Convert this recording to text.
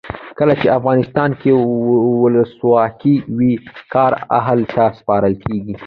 کله چې افغانستان کې ولسواکي وي کار اهل ته سپارل کیږي.